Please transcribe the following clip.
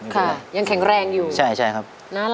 ค่ะยังแข็งแรงอยู่ใช่ครับ